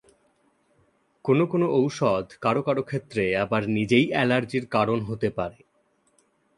কোনো কোন ঔষধ কারও কারও ক্ষেত্রে আবার নিজেই অ্যালার্জির কারণ হতে পারে।